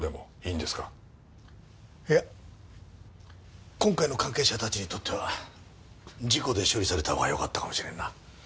いや今回の関係者たちにとっては事故で処理された方がよかったかもしれんな。